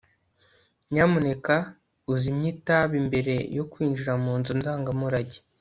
nyamuneka uzimye itabi mbere yo kwinjira mu nzu ndangamurage